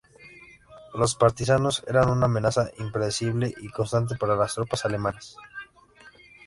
Los partisanos eran una amenaza impredecible y constante para las tropas alemanas.